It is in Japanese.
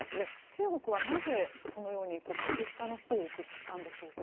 中国はなぜ、そのように格下の人を送ったんでしょうか？